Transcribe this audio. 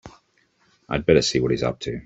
I'd better see what he's up to.